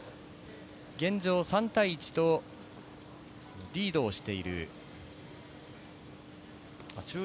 現状３対１とリードしている。